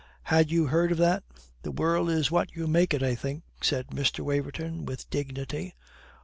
Had you heard of that?" "The world is what you make it, I think," said Mr. Waverton with dignity.